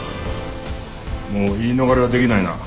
もう言い逃れはできないな。